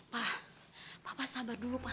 pa papa sabar dulu pa